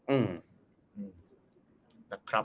อืม